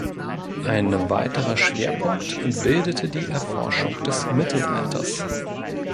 Ein weiterer Schwerpunkt bildete die Erforschung des Mittelalters.